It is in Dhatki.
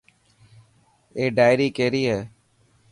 اي ڊائري ڪيري هي.